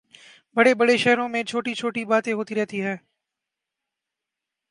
بڑے بڑے شہروں میں چھوٹی چھوٹی باتیں ہوتی رہتی ہیں